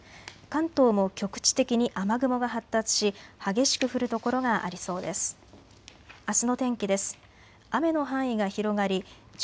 関東も局地的に雨雲が発達し激しく降る所がありそうです。